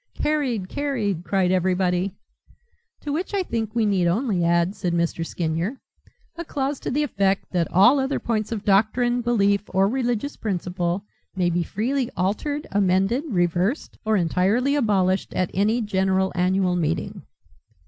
'" "Carried, carried," cried everybody. "To which I think we need only add," said Mr. Skinyer, "a clause to the effect that all other points of doctrine, belief or religious principle may be freely altered, amended, reversed or entirely abolished at any general annual meeting!"